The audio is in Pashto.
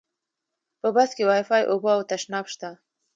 په بس کې وایفای، اوبه او تشناب شته.